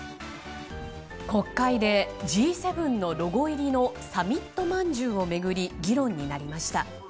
国会でＧ７のロゴ入りのサミットまんじゅうを巡り議論になりました。